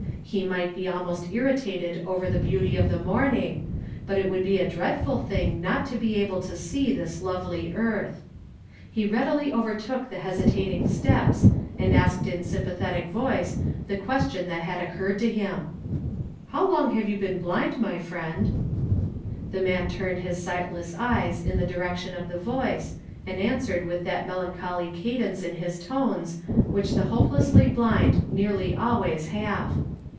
He might be almost irritated over the beauty of the morning, but it would bo a (headful thing not to be able to see this lovely earth. He readily overtook the hesitating steps, and asked in sympathetic voice the question that had occurred to him :— 230 YESTEFIDAY FUAMKD IK TO r)AY. " How long have you been blind, my t'liend ?" The man turned his sightless eyes in tiie >lii'ec tion of the voice, and answered with that i.ielan choly cadence in his tones, which the hopelessly blind nearly always have.